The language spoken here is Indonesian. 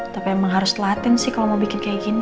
tapi emang harus latin sih kalau mau bikin kayak gini